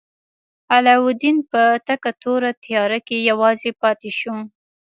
علاوالدین په تکه توره تیاره کې یوازې پاتې شو.